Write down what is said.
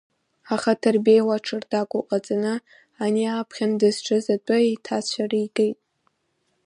Аха Ҭырбеи уа ҽырдагәа ҟаҵаны, ани, аԥхьан дызҿыз атәы еиҭаацәыригеит…